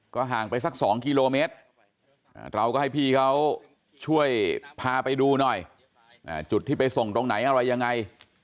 ห่างไปสัก๒กิโลเมตรเราก็ให้พี่เขาช่วยพาไปดูหน่อยจุดที่ไปส่งตรงไหนอะไรยังไง